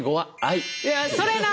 いやそれな！